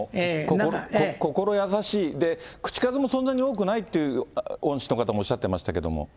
心優しい、で、口数もそんなに多くないと、恩師の方もおっしゃってましたけども。